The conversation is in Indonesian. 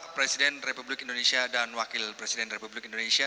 presiden republik indonesia dan wakil presiden republik indonesia